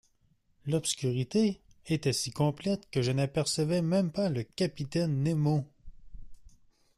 L’obscurité était si complète que je n’apercevais même pas le capitaine Nemo.